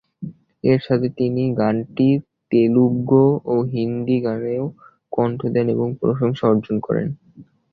এর সাথে তিনি এই গানটির তেলুগু এবং হিন্দি গানেও কন্ঠ দেন এবং প্রশংসা অর্জন করেন।